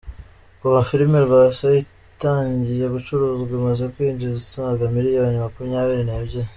Kuva Filime Rwasa itangiye gucuruzwa imaze kwinjiza asaga miliyoni makumyabiri nebyiri